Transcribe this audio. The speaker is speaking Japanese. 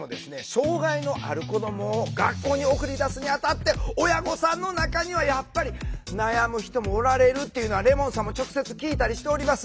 障害のある子どもを学校に送り出すにあたって親御さんの中にはやっぱり悩む人もおられるっていうのはレモンさんも直接聞いたりしております。